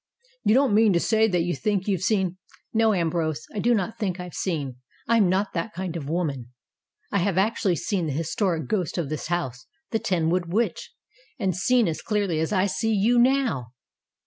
"You don't mean to say that you think you've seen " "No, Ambrose, I do not think I've seen. I am not that kind of woman. I have actually seen the his toric ghost of this house the Ten wood Witch and seen as clearly as I see you now."